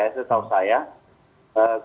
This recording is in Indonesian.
kurang lebih lima tahun yang lalu